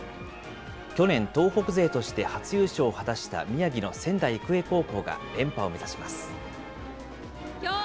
去年、東北勢として初優勝を果たした宮城の仙台育英高校が連覇を目指します。